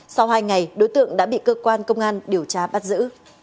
sau hai ngày đối tượng đã bị cơ quan công an điều tra bắt giữ